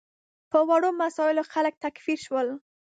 په وړو مسایلو خلک تکفیر شول.